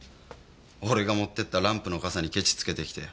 俺が持ってったランプの笠にケチつけてきて。